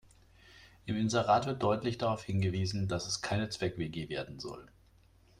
Im Inserat wird deutlich darauf hingewiesen, dass es keine Zweck-WG werden soll.